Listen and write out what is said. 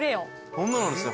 こんなのあるんですね